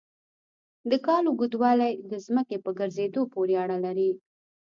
د کال اوږدوالی د ځمکې په ګرځېدو پورې اړه لري.